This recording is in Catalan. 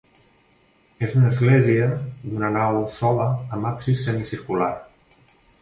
És una església d'una nau sola amb absis semicircular.